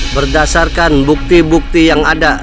berdasarkan bukti bukti yang ada